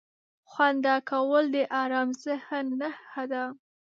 • خندا کول د ارام ذهن نښه ده.